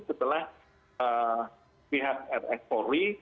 setelah pihak rs polri